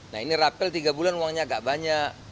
nah ini rapel tiga bulan uangnya agak banyak